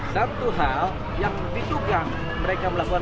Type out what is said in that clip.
satu hal yang ditugang mereka melakukan